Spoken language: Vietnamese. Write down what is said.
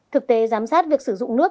thực tế giám sát việc sử dụng nước